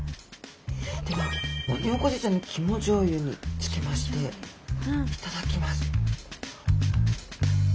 ではオニオコゼちゃんの肝醤油につけまして頂きます。